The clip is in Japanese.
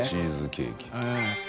ケーキね。